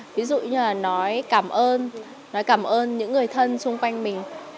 ví dụ như là nói cảm ơn nói cảm ơn những người thân xung quanh mình